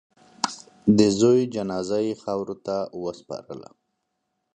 د زوی جنازه یې خاورو ته وسپارله.